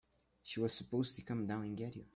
She was supposed to come down and get you.